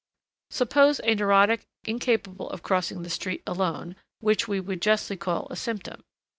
Suppose a neurotic incapable of crossing the street alone, which we would justly call a "symptom."